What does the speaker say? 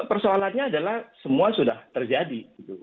jadi persoalannya adalah semua sudah terjadi